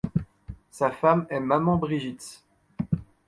Sa femme est Maman Brigitte.